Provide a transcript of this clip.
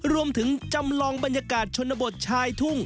จำลองบรรยากาศชนบทชายทุ่ง